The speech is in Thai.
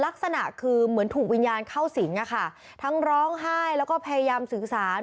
ลักษณะคือเหมือนถูกวิญญาณเข้าสิงอะค่ะทั้งร้องไห้แล้วก็พยายามสื่อสาร